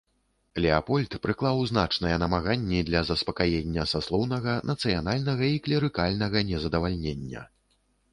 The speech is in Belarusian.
Леапольд прыклаў значныя намаганні да заспакаення саслоўнага, нацыянальнага і клерыкальнага незадавальнення.